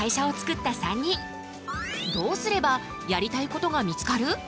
どうすればやりたいことが見つかる？